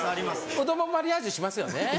うどんもマリアージュしますよね。